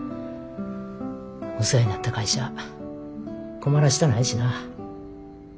お世話になった会社困らしたないしな。